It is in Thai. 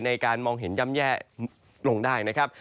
ในการมองเห็นย่ำแย่ลงได้นะครับ